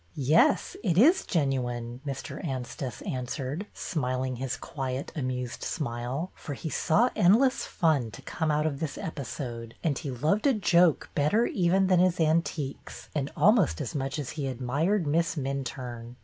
" Yes, it is genuine," Mr. Anstice answered, smiling his quiet amused smile, for he saw end less fun to come out of this episode, and he loved a joke better even than his antiques, and almost as much as he admired Miss Minturne.